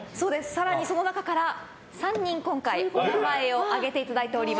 更にその中から３人、今回、お名前を挙げていただいております。